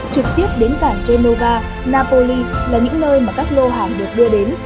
trực tiếp đến cảng geneva napoli là những nơi mà các lô hàng được đưa đến